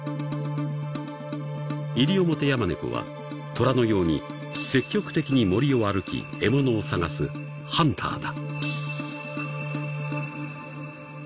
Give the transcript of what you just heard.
［イリオモテヤマネコはトラのように積極的に森を歩き獲物を探すハンターだ］